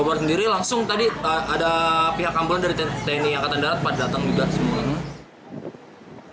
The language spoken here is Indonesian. wabar sendiri langsung tadi ada pihak kampung dari tni angkatan darat datang juga semuanya